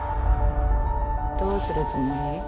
どうするつもり？